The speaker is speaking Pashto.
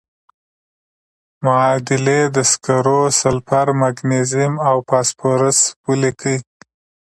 معادلې د سکرو، سلفر، مګنیزیم او فاسفورس ولیکئ.